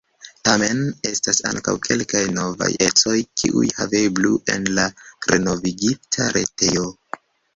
Tamen estas ankaŭ kelkaj novaj ecoj, kiuj haveblu en la renovigita retejo.